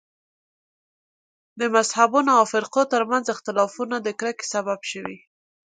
د مذهبونو او فرقو تر منځ اختلافونه د کرکې سبب شوي.